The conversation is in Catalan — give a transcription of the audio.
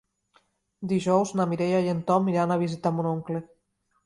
Dijous na Mireia i en Tom iran a visitar mon oncle.